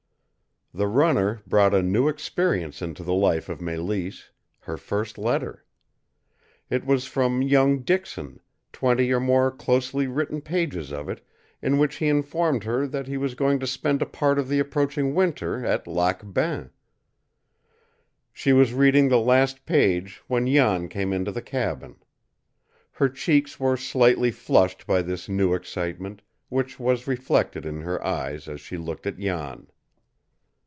The runner brought a new experience into the life of Mélisse her first letter. It was from young Dixon twenty or more closely written pages of it, in which he informed her that he was going to spend a part of the approaching winter at Lac Bain. She was reading the last page when Jan came into the cabin. Her cheeks were slightly flushed by this new excitement, which was reflected in her eyes as she looked at Jan.